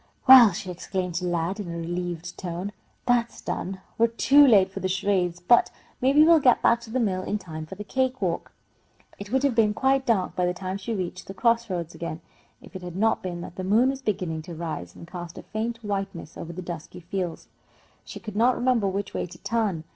"Well," she exclaimed to Lad, in a relieved tone, "that's done! We're too late for the charades, but maybe we'll get back to the mill in time for the cake walk." It would have been quite dark by the time she reached the cross roads again, if it had not been that the moon was beginning to rise, and cast a faint whiteness over the dusky fields. She could not remember which way to turn.